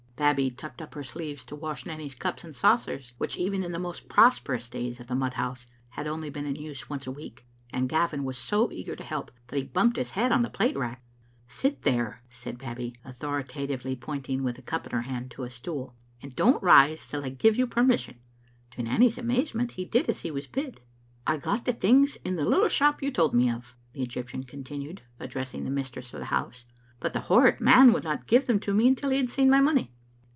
Babbie tucked up her sleeves to wash Nanny's cups and saucers, which even in the most prosperous days of the mud house had only been in use once a week, and Gavin was so eager to help that he bumped his head on the plate rack. "Sit there," said Babbie, authoritatively, pointing, with a cup in her hand, to a stool, " and don't rise till I give you permission. " To Nanny's amazement, he did as he was bid. " I got the things in the little shop you told me of," the Egyptian continued, addressing the mistress of the house, " but the horrid man would not give them to me until he had seen my money."